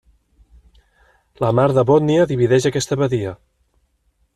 La Mar de Bòtnia divideix aquesta badia.